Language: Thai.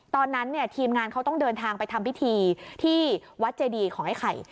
ตอนนั้นเนี่ยทีมงานเขาต้องเดินทางไปทำพิธีที่วัดเจดีของไอ้ไข่